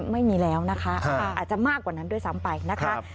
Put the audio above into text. ไม่มีแล้วนะคะอาจจะมากกว่านั้นด้วยซ้ำไปนะคะ